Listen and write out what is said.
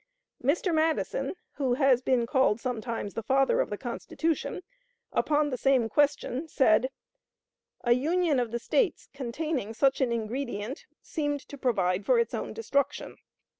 " Mr. Madison, who has been called sometimes the father of the Constitution, upon the same question, said: "A union of the States containing such an ingredient seemed to provide for its own destruction.